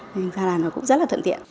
nên ra là nó cũng rất là thuận tiện